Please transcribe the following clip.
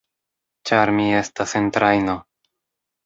Ĉar mi estas en trajno.